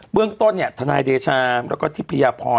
เบื้องต้นทนายเดชาและทิพยาพร